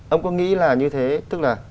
ông có nghĩ là như thế tức là